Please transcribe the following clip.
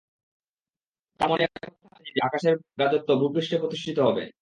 তার মনে একথা আসেনি যে, আকাশের রাজত্ব ভূপৃষ্ঠে প্রতিষ্ঠিত হবে।